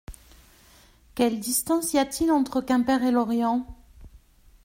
Quelle distance y a-t-il entre Quimper et Lorient ?